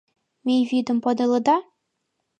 Мӱй вӱдым подылыда?